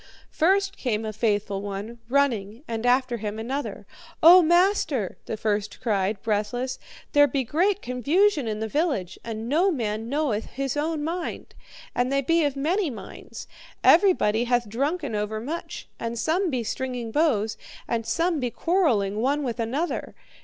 "First came a faithful one, running, and after him another. 'O master,' the first cried, breathless, 'there be great confusion in the village, and no man knoweth his own mind, and they be of many minds. Everybody hath drunken overmuch, and some be stringing bows, and some be quarrelling one with another.